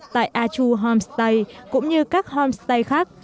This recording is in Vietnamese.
tại a chu homestay cũng như các homestay khác